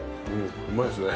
うまいっすね。